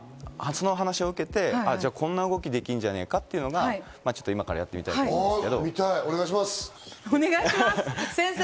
その話を受けて、じゃあ、こんな動きできんじゃねぇかっていうのが、今からやってみたいとお願いします、先生。